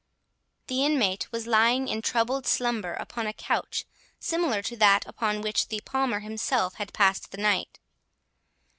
The inmate was lying in troubled slumber upon a couch similar to that on which the Palmer himself had passed the night.